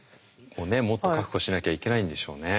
もっと確保しなきゃいけないんでしょうね。